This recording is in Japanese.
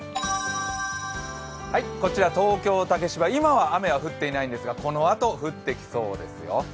こちら東京竹芝、今は雨は降っていないんですが、このあと降ってきそうですよ。